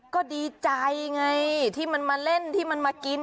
ก็ดีใจไงที่มันมาเล่นที่มันมากิน